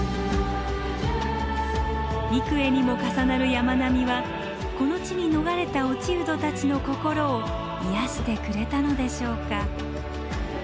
幾重にも重なる山並みはこの地に逃れた落人たちの心を癒やしてくれたのでしょうか？